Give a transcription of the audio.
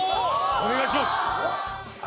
お願いします！